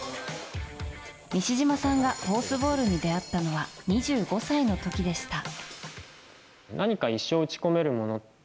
西島さんがホースボールに出会ったのは２５歳の時でした。